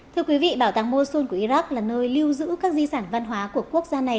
thưa quý vị bảo tàng mosun của iraq là nơi lưu giữ các di sản văn hóa của quốc gia này